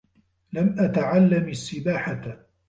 لَمْ أَتَعَلِّمْ السِّبَاحَةَ.